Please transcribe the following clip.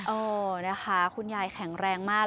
เออนะคะคุณยายแข็งแรงมาก